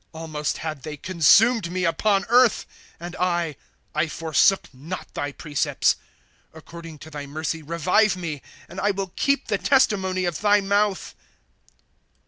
'' Almost had they consumed me upon earth ; And I, I forsook not thy precepts, ^ According to thy mercy revive me, And I will keep the testimony of thy mouth.